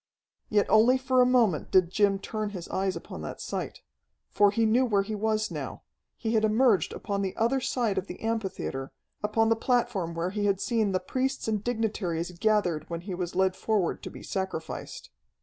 Yet only for a moment did Jim turn his eyes upon that sight. For he knew where he was now. He had emerged upon the other side of the amphitheatre, upon the platform where he had seen the priests and dignitaries gathered when he was led forward to be sacrificed.